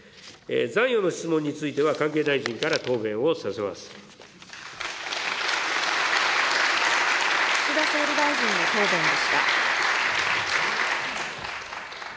残余の質問については関係大臣か岸田総理大臣の答弁でした。